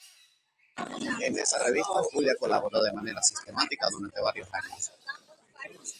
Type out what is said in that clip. En esa revista Julia colaboró de manera sistemática durante varios años.